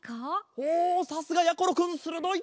おさすがやころくんするどい！